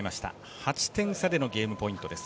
８点差でのゲームポイントです。